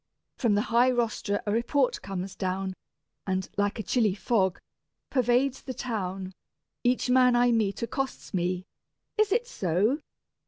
From the high rostra a report comes down, And like a chilly fog, pervades the town: Each man I meet accosts me "Is it so?